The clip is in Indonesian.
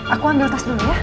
aku ambil tas dulu ya